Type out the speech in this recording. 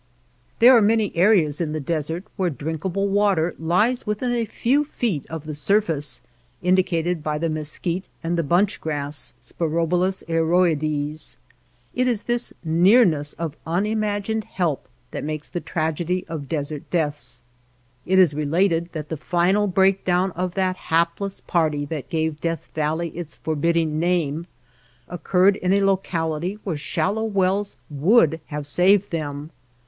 < There are many areas in the desert where drinkable water lies within a few feet of the surface, indicated by the mes quite and the bunch gr2iSs{Sporobol7is airo ides). It is this nearness of unimagined help that makes the tragedy of desert deaths. It is related that the final break down of that hapless party that gave Death Valley its forbidding name occurred in a locality where shallow wells would have saved them.